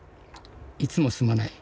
いつもすまない。